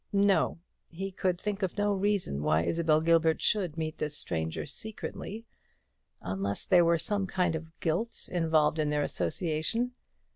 No; he could think of no reason why Isabel Gilbert should meet this stranger secretly unless there were some kind of guilt involved in their association.